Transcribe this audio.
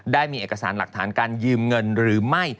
ได้มีเอกสารหลักฐานการยืมเงินหรือไม่